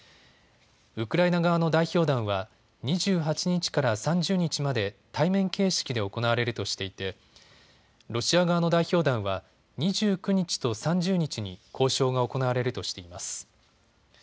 ウクライナ側の代表団は２８日から３０日まで対面形式で行われるとしていてロシア側の代表団は２９日と３０日に交渉が行われるとしています。